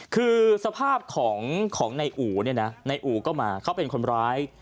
คือสภาพของนายอู๋เนี่ยนะในอู่ก็มาเขาเป็นคนร้าย